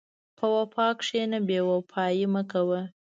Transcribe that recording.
په وفا کښېنه، بېوفایي مه کوه.